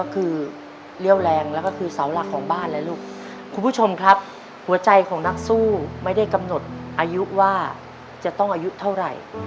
คุณผู้ชมครับหัวใจของนักสู้ไม่ได้กำหนดอายุว่าจะต้องอายุเท่าไหร่